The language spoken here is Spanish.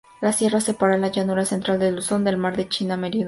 La sierra separa la llanura central de Luzón del mar de China Meridional.